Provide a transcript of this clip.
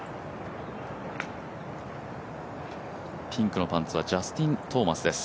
ピンクのパンツはジャスティン・トーマスです。